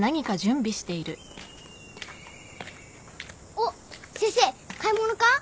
おっ先生買い物か？